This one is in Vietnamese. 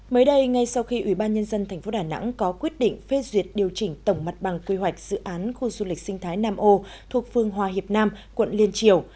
mới đây ngay sau khi ủy ban nhân dân tp đà nẵng có quyết định phê duyệt điều chỉnh tổng mặt bằng quy hoạch dự án khu du lịch sinh thái nam âu thuộc phương hòa hiệp nam quận liên triều